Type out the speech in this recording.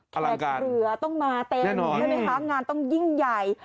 แขกเหลือต้องมาเต็มใช่ไหมคะงานต้องยิ่งใหญ่